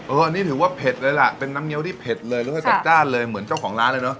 อันนี้ถือว่าเผ็ดเลยล่ะเป็นน้ำเงี้ยวที่เผ็ดเลยรสชาติจัดจ้านเลยเหมือนเจ้าของร้านเลยเนอ